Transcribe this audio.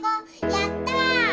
やった！